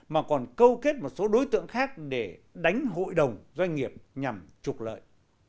mà còn câu kết một số đối tượng khác để đánh hội đồng doanh nghiệp nhằm trục lợi